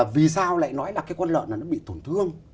vì sao lại nói là cái con lợn này nó bị tổn thương